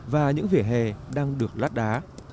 và những vỉa hè đang được lát đá